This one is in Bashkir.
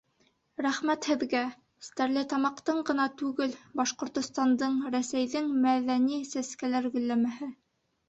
Рәхмәт һеҙгә, Стәрлетамаҡтың ғына түгел, Башҡортостандың, Рәсәйҙең мәҙәни сәскәләр гөлләмәһе!